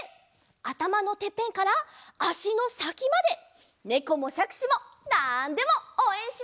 あたまのてっぺんからあしのさきまでねこもしゃくしもなんでもおうえんしますよ！